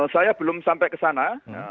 saya belum sampai ke sana